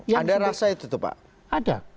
ada rasa itu pak ada